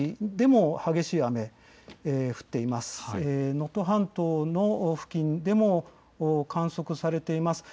市でも激しい雨、能登半島の付近でも観測されています。